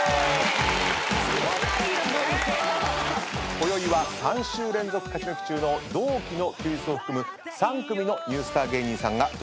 こよいは３週連続勝ち抜き中の同期の休日を含む３組のニュースター芸人さんが登場いたします。